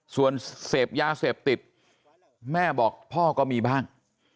ส่วนเสพยาเสพติดแม่บอกพ่อก็มีบ้าง